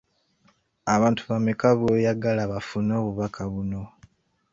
Abantu bameka b'oyagala bafune obubaka buno?